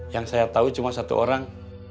yang saya tahu cuma satu orang